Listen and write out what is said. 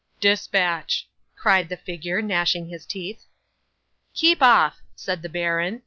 '"Dispatch," cried the figure, gnashing his teeth. '"Keep off!" said the baron.